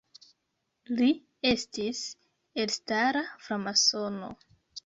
Li estis elstara framasono.